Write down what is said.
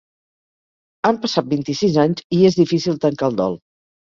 Han passat vint-i-sis anys i és difícil tancar el dol.